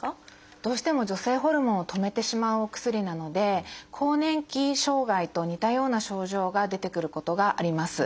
どうしても女性ホルモンを止めてしまうお薬なので更年期障害と似たような症状が出てくることがあります。